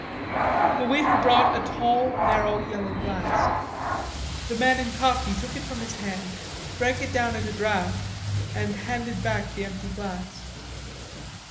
The waiter brought a tall narrow yellow glass. The man in khaki took it from his hand, drank it down at a draught and handed back the empty glass.